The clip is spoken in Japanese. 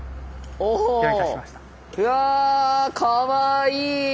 おお。うわかわいい！